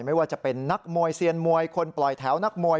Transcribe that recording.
ไม่ว่าจะเป็นนักมวยเซียนมวยคนปล่อยแถวนักมวย